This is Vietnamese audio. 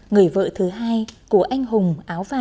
người vợ thứ hai của anh hùng áo văn